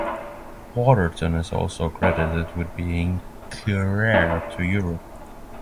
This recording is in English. Waterton is also credited with bringing curare to Europe.